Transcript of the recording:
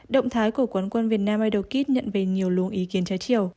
động thái của quán quân việt nam idol kids nhận về nhiều lũ ý kiến trái chiều